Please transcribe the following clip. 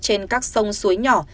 trên các sông suối nhỏ